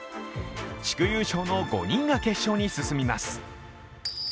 地区優勝の５人が決勝に進みます。